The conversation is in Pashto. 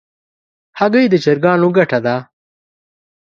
هګۍ د چرګانو ګټه ده.